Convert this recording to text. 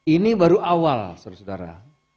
ini baru awal saudara saudara